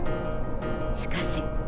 しかし。